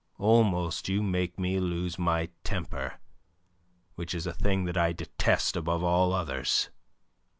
Almost you make me lose my temper, which is a thing that I detest above all others!"